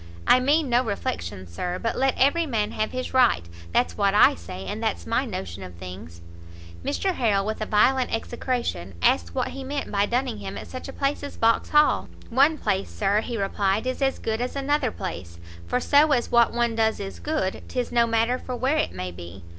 I mean no reflections, Sir, but let every man have his right. That's what I say, and that's my notion of things." Mr Harrel, with a violent execration, asked what he meant by dunning him at such a place as Vauxhall? "One place, Sir," he replied, "is as good as another place; for so as what one does is good, 'tis no matter for where it may be.